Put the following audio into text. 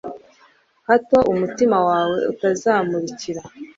hato umutima wawe utazamurarikira